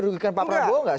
menurut pak prabowo nggak